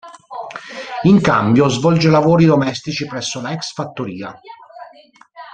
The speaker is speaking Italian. In cambio svolge lavori domestici presso la ex fattoria.